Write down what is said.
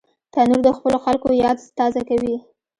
تنور د خپلو خلکو یاد تازه کوي